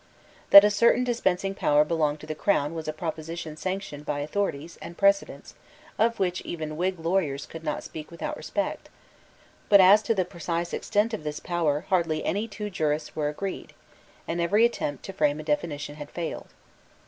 That a certain dispensing power belonged to the Crown was a proposition sanctioned by authorities and precedents of which even Whig lawyers could not speak without respect; but as to the precise extent of this power hardly any two jurists were agreed; and every attempt to frame a definition had failed.